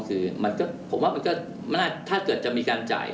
คือผมว่ามันก็ถ้าเกิดจะมีการจ่าย